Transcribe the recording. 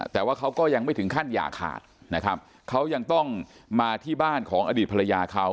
แต่ว่าเขาก็ยังไม่ถึงขั้นอย่าขาดนะครับเขายังต้องมาที่บ้านของอดีตภรรยาเขา